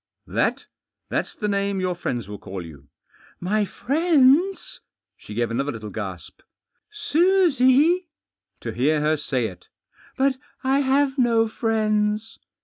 * That — that's the name your friends will call yovu* "My friends?" She gave another little gasp. "Susie?" To hear her say it 1 "But I have no friends."